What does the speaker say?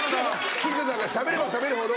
吉瀬さんがしゃべればしゃべるほど。